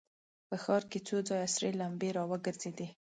په ښار کې څو ځايه سرې لمبې را وګرځېدې.